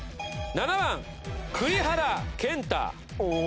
７番栗原健太。